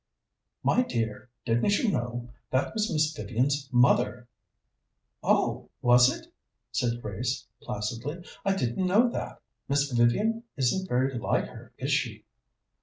"My dear, didn't you know? That was Miss Vivian's mother!" "Oh, was it?" said Grace placidly. "I didn't know that. Miss Vivian isn't very like her, is she?"